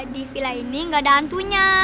di villa ini gak ada hantunya